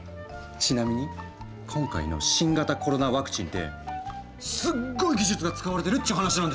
ちなみに今回の新型コロナワクチンってすっごい技術が使われてるっちゅう話なんですよ！